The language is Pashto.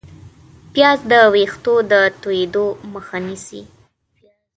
پیاز د ویښتو د تویېدو مخه نیسي